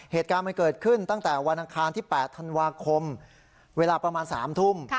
เหตุการณ์มันเกิดขึ้นตั้งแต่วันอังคารที่๘ธันวาคมเวลาประมาณ๓ทุ่ม